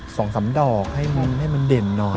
สองสามดอกให้มันเด่นน้อย